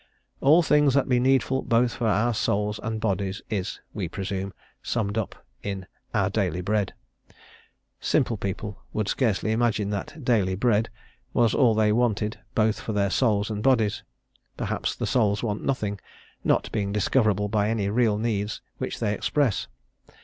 "All things that be needful both for our souls and bodies" is, we presume, summed up in "our daily bread." Simple people would scarcely imagine that "daily bread" was all they wanted both for their souls and bodies; perhaps the souls want nothing, not being discoverable by any real needs which they express.